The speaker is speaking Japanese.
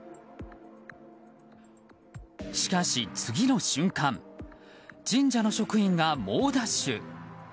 しかし、次の瞬間神社の職員が猛ダッシュ。